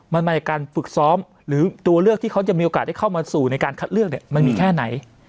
มันมาจากการฝึกซ้อมหรือตัวเลือกที่เขาจะมีโอกาสได้เข้ามาสู่ในการคัดเลือกเนี่ยมันมีแค่ไหน